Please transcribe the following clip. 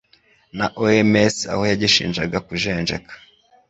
na OMS aho yagishinzaga kujenjeka